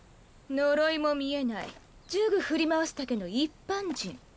呪いも見えない呪具振り回すだけの一般人。